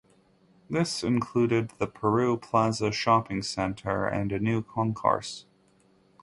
This included the Peru Plaza Shopping Center and a new concourse.